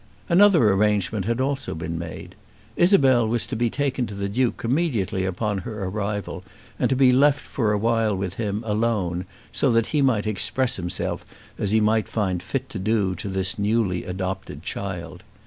Another arrangement had also been made. Isabel was to be taken to the Duke immediately upon her arrival and to be left for awhile with him, alone, so that he might express himself as he might find fit to do to this newly adopted child.